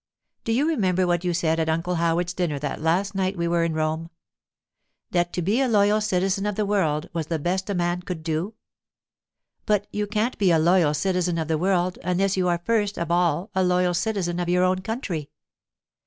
Do you remember what you said at Uncle Howard's dinner that last night we were in Rome? That to be a loyal citizen of the world was the best a man could do? But you can't be a loyal citizen of the world unless you are first of all a loyal citizen of your own country.